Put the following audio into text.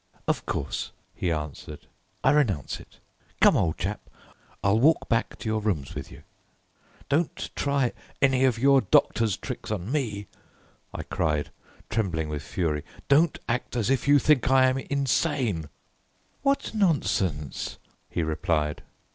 "Of course," he answered, "I renounce it. Come, old chap, I'll walk back to your rooms with you." "Don't try any of your doctor's tricks on me," I cried, trembling with fury. "Don't act as if you think I am insane." "What nonsense," he replied.